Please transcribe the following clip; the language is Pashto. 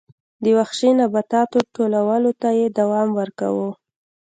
د وحشي نباتاتو ټولولو ته یې دوام ورکاوه